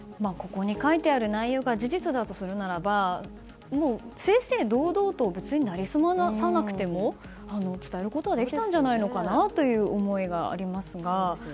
ここに書いてある内容が事実だとするならば正々堂々と成り済まさなくても伝えることはできたんじゃないのかなという思いがありますが。